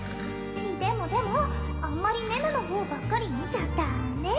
「でもでもあんまり寧々のほうばっかり見ちゃダメ」